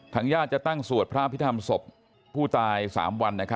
ทางญาติจะตั้งสวตพระพิธารมศพภูตาย๓วัน